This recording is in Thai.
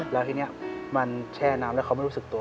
แล้วทีนี้มันแช่น้ำแล้วเขาไม่รู้สึกตัว